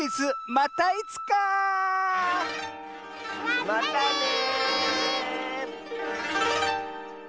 またね！